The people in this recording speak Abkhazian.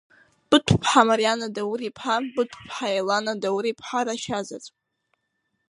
Быҭә-ԥҳа Мариана Даур-иԥҳа, Быҭә-ԥҳа Елана Даур-иԥҳа, рашьазаҵә…